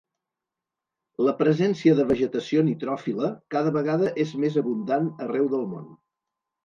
La presència de vegetació nitròfila cada vegada és més abundant arreu del món.